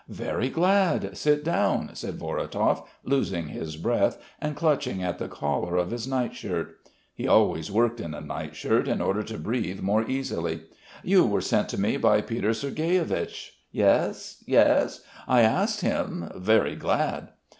"Very glad! Sit down!" said Vorotov, losing his breath, and clutching at the collar of his night shirt. (He always worked in a night shirt in order to breathe more easily.) "You were sent to me by Peter Sergueyevich? Yes.... Yes ... I asked him.... Very glad!"